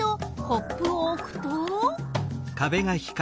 コップをおくと。